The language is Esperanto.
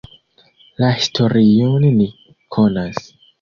La historion ni konas.